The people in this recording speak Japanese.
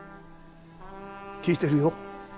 聞いてるよ。